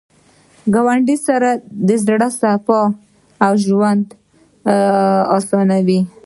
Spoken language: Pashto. ګاونډي سره د زړه صفا ژوند اسانوي